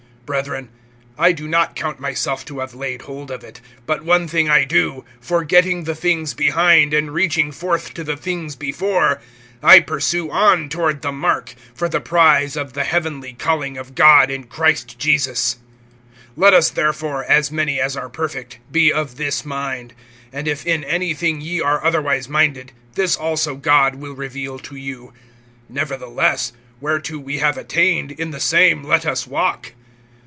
(13)Brethren, I do not count myself to have laid hold of it; but one thing I do, forgetting the things behind, and reaching forth to the things before, (14)I pursue on toward the mark, for the prize of the heavenly calling of God in Christ Jesus. (15)Let us therefore, as many as are perfect, be of this mind; and if in any thing ye are otherwise minded, this also God will reveal to you. (16)Nevertheless, whereto we have attained, in the same let us walk.